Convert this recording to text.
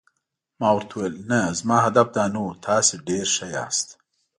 ما ورته وویل: نه، زما هدف دا نه و، تاسي ډېر ښه یاست.